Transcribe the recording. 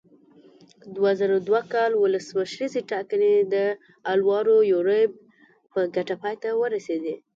دوه زره دوه کال ولسمشریزې ټاکنې د الوارو یوریب په ګټه پای ته ورسېدې.